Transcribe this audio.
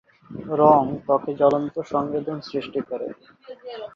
রং ত্বকে জ্বলন্ত সংবেদন সৃষ্টি করে।